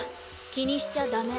気にしちゃダメ。